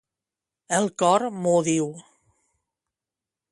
El cor m'ho diu.